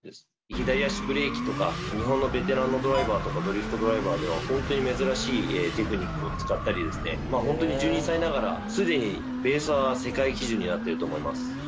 左足ブレーキとか日本のベテランのドライバーとかドリフトドライバーではホントに珍しいテクニックを使ったりホントに既にベースは。になってると思います。